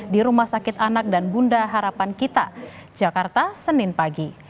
di rumah sakit anak dan bunda harapan kita jakarta senin pagi